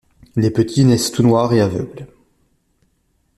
Les petits naissent tout noir et aveugle.